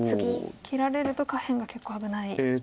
切られると下辺が結構危ない。